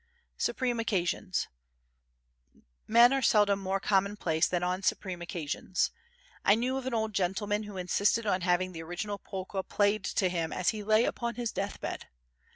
Supreme Occasions Men are seldom more commonplace than on supreme occasions. I knew of an old gentleman who insisted on having the original polka played to him as he lay upon his death bed.